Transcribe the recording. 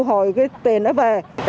hồi cái tiền đó về